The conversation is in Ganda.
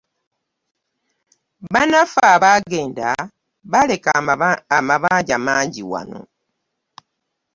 Bannaffe abaagenda baaleka amabanja mangi wano.